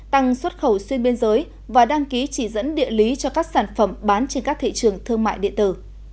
tăng xuất khẩu xuyên biên giới và đăng ký chỉ dẫn địa lý cho các sản phẩm bán trên các thị trường thương mại điện tử